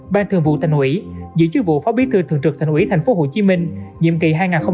ban thường vụ thành ủy giữ chức vụ phó bí thư thường trực thành ủy tp hcm nhiệm kỳ hai nghìn hai mươi hai nghìn hai mươi năm